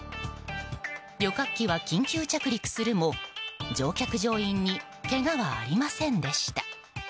旅客機は緊急着陸するも乗客・乗員にけがはありませんでした。